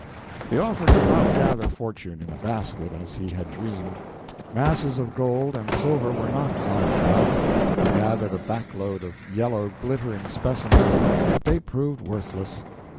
The author could not gather fortune in a basket, as he had dreamed. Masses of gold and silver were not lying about. He gathered a back load of yellow, glittering specimens, but they proved worthless.